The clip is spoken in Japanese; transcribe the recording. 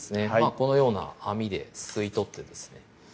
このような網ですくい取ってですね